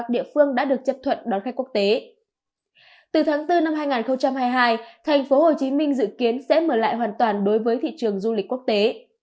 từ tháng bốn năm hai nghìn hai mươi hai tp hcm dự kiến sẽ mở lại hoàn toàn đối với thị trường du lịch quốc tế